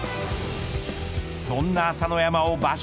そんな朝乃山を場所